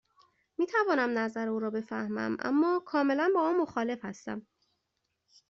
می توانم نظر او را بفهمم، اما کاملا با آن مخالف هستم.